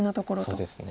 そうですね。